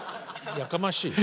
やかましい。